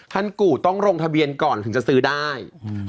กู่ต้องลงทะเบียนก่อนถึงจะซื้อได้